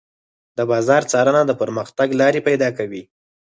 د بازار څارنه د پرمختګ لارې پيدا کوي.